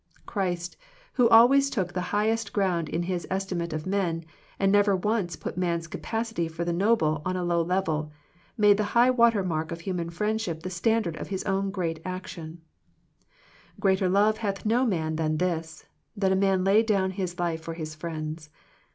Christ, who always took the highest ground in His estimate of men, and never once put man's capacity for the noble on a low level, made the high water mark of human friendship the standard of His own great action, r Greater love hath no man than this, that a man lay down his life for his friends."